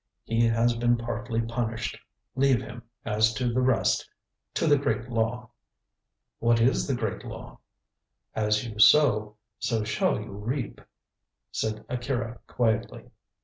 He has been partly punished. Leave him, as to the rest, to the Great Law." "What is the Great Law?" "As you sow, so shall you reap," said Akira quietly.